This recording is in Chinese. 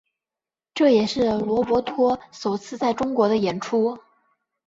这也是罗伯托首次在中国的演出。